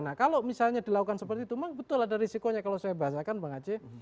nah kalau misalnya dilakukan seperti itu memang betul ada risikonya kalau saya bahasakan bang aceh